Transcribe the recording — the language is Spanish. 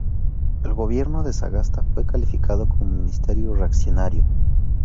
El gobierno de Sagasta fue calificado como "Ministerio reaccionario".